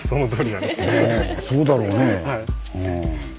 ああそうだろうね。